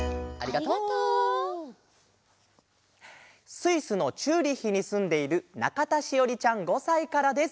スイスのチューリッヒにすんでいるなかたしおりちゃん５さいからです。